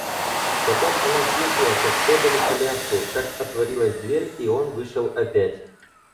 Потом она слышала, как подали коляску, как отворилась дверь, и он вышел опять.